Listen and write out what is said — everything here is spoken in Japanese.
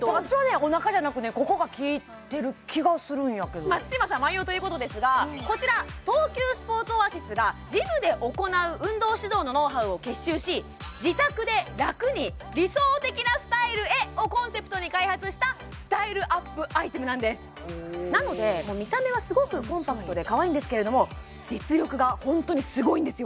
お腹じゃなくここが効いてる気がするんやけど松嶋さんも愛用ということですがこちら東急スポーツオアシスがジムで行う運動指導のノウハウを結集し「自宅でラクに理想的なスタイルへ」をコンセプトに開発したスタイルアップアイテムなんですなので見た目はすごくコンパクトでかわいいんですけれども実力がホントにすごいんですよ